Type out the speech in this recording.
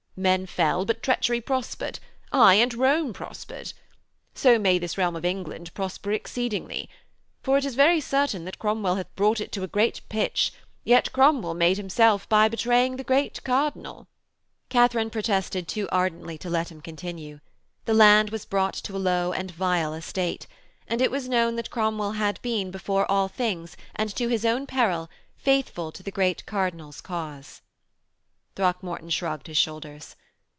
Men fell, but treachery prospered aye, and Rome prospered. So may this realm of England prosper exceedingly. For it is very certain that Cromwell hath brought it to a great pitch, yet Cromwell made himself by betraying the great Cardinal.' Katharine protested too ardently to let him continue. The land was brought to a low and vile estate. And it was known that Cromwell had been, before all things, and to his own peril, faithful to the great Cardinal's cause. Throckmorton shrugged his shoulders.